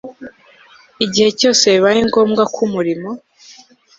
Igihe cyose bibaye ngombwa ko umurimo